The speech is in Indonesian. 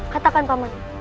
katakan pak man